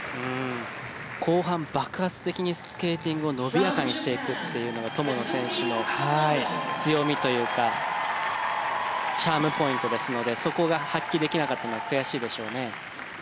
後半、爆発的にスケーティングを伸びやかにしていくというのが友野選手の強みというかチャームポイントですのでそこが発揮できなかったのは悔しいでしょうね。